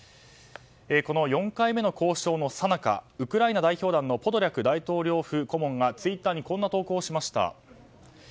この４回目の交渉のさなかウクライナ代表団のポドリャク大統領府顧問がツイッターにこんな投稿をしました。